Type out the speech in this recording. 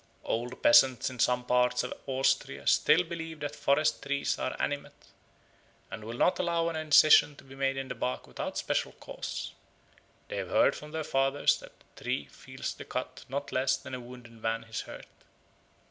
Old peasants in some parts of Austria still believe that forest trees are animate, and will not allow an incision to be made in the bark without special cause; they have heard from their fathers that the tree feels the cut not less than a wounded man his hurt.